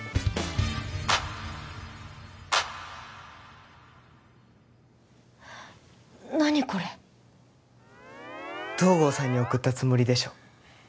はっ何これ東郷さんに送ったつもりでしょ